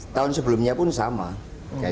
tahun sebelumnya pun sama